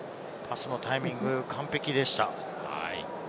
タイミングが完璧でした。